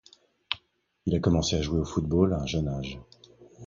Il a commencé à jouer au football à un jeune âge.